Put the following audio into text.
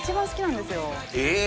え。